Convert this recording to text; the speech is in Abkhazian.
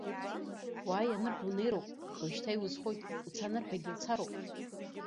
Уааи анырҳәо унеироуп, уажәшьҭа иузхоит, уца анырҳәагьы уцароуп.